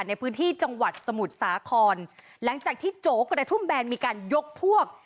ในพื้นที่จังหวัดสมุทรสาครหลังจากที่โจกระทุ่มแบนมีการยกพวก